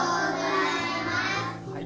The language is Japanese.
はい。